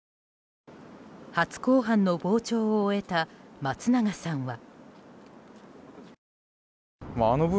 初公判の傍聴を終えた松永さんは。